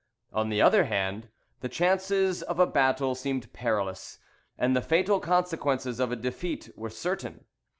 On the other hand, the chances of a battle seemed perilous, and the fatal consequences of a defeat were certain.